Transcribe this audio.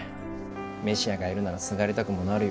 メシアがいるならすがりたくもなるよ。